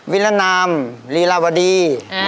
วิรนามลีลาวดี